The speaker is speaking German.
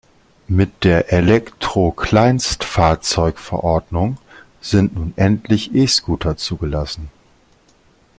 Mit der Elektrokleinstfahrzeugeverordnung sind nun endlich E-Scooter zugelassen.